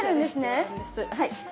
そうなんですはい。